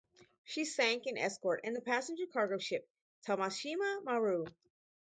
She sank an escort and the passenger-cargo ship, "Tomashima Maru".